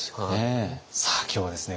さあ今日はですね